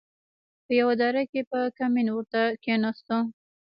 په يوه دره کښې په کمين ورته کښېناستو.